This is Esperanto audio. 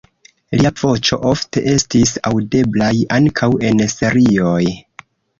Lia voĉo ofte estis aŭdeblaj ankaŭ en serioj.